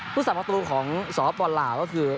ผู้สำคับประตูของสหปนราวก็คือ